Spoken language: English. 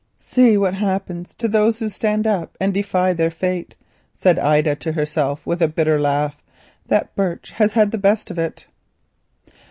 "See what happens to those who stand up and defy their fate," said Ida to herself with a bitter laugh. "The birch has the best of it."